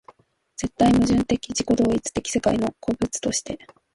絶対矛盾的自己同一的世界の個物として